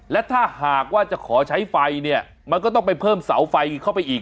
และถ้าหากว่าจะขอใช้ไฟเนี่ยมันก็ต้องไปเพิ่มเสาไฟเข้าไปอีก